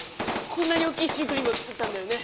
こんなに大きいシュークリームを作ったんだよね。